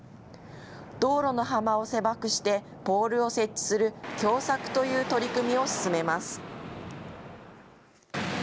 道路の幅を狭くしてポールを設置する狭窄という取り組みを進めます。